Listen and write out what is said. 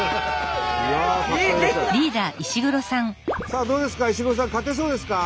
さあどうですか？